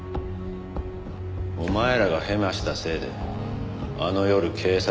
お前らがヘマしたせいであの夜警察が来たんだろ。